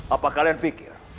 apa kalian pikir